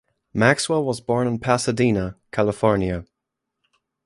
Maxwell was born in Pasadena, California.